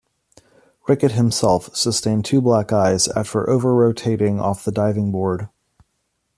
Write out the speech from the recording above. Rickitt himself sustained two black eyes after over-rotating off the diving board.